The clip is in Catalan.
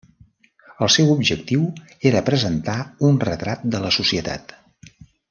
El seu objectiu era presentar un retrat de la societat.